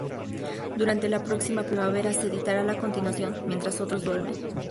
Durante la próxima primavera se editará la continuación "Mientras otros duermen".